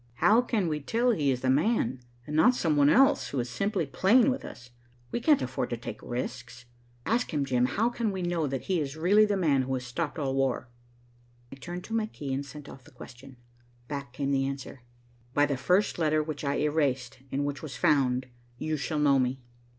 "How can we tell he is the man and not some one else, who is simply playing with us? We can't afford to take risks. Ask him, Jim, how we can know that he is really the man who has stopped all war." I turned to my key and sent off the question. Back came the answer. "By the first letter which I erased and which was found, you shall know me."